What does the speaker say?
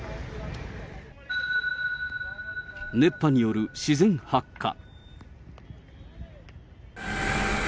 熱波による自然発火。